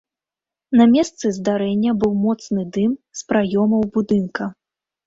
На месцы здарэння быў моцны дым з праёмаў будынка.